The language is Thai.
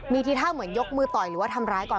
มีทีท่าเหมือนยกมือต่อยหรือว่าทำร้ายก่อน